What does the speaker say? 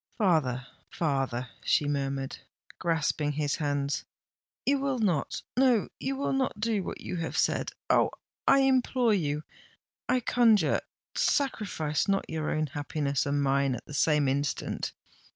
"Father—father," she murmured, grasping his hands; "you will not—no, you will not do what you have said! Oh! I implore you—I conjure—sacrifice not your own happiness and mine at the same instant!